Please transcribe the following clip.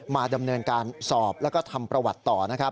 มาดำเนินการสอบแล้วก็ทำประวัติต่อนะครับ